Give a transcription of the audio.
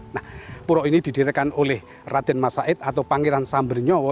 nah pura ini didirikan oleh raden masaid atau pangeran sambernyowo